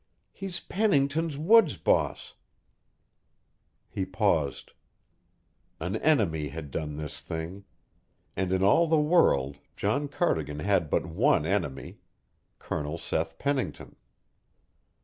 He's Pennington's woods boss " He paused. An enemy had done this thing and in all the world John Cardigan had but one enemy Colonel Seth Pennington.